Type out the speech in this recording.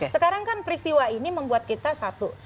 sekarang kan peristiwa ini membuat kita satu